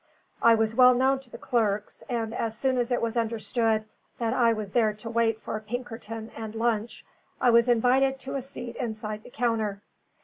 I was well known to the clerks, and as soon as it was understood that I was there to wait for Pinkerton and lunch, I was invited to a seat inside the counter.